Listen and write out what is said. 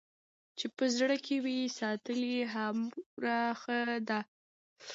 چې په زړه کې وي ساتلې هومره ښه ده.